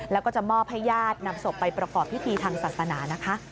แล้วก็จะมอบให้ญาตินำศพไปประกอบพิธีทางศาสนานะคะ